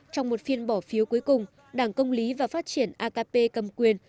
trong một phiên bỏ phiếu cuối cùng đảng công lý và phát triển akp cầm quyền